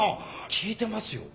聞いてますよ。